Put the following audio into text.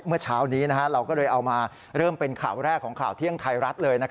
เมื่อเช้านี้เราก็เลยเอามาเริ่มเป็นข่าวแรกของข่าวเที่ยงไทยรัฐเลย